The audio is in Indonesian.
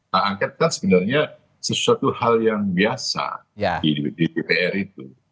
hak angket kan sebenarnya sesuatu hal yang biasa di dpr itu